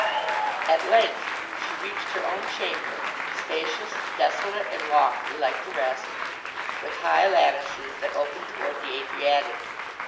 At length she reached her own chamber, spacious, desolate, and lofty, like the rest, with high lattices that opened towards the Adriatic.